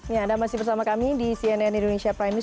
ya anda masih bersama kami di cnn indonesia prime news